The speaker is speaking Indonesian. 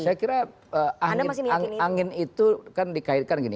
saya kira angin itu kan dikaitkan gini